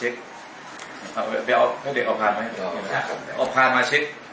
ก็เอาพาลมาเซ็ค